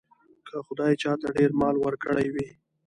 که خدای چاته ډېر مال ورکړی وي.